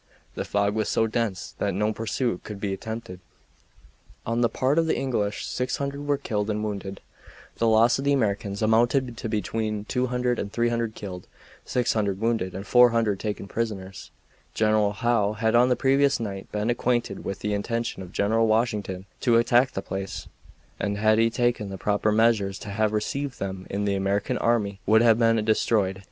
The fog was so dense that no pursuit could be attempted. On the part of the English 600 were killed and wounded. The loss of the Americans amounted to between 200 and 300 killed, 600 wounded, and 400 taken prisoners. General Howe had on the previous night been acquainted with the intention of General Washington to attack the place, and had he taken the proper measures to have received them the American army would have been destroyed.